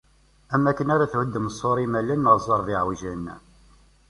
Am wakken ara thuddem ṣṣur imalen neɣ ẓẓerb iɛewjen.